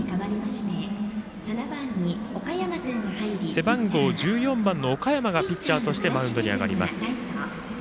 背番号１４番の岡山がピッチャーとしてマウンドに上がります。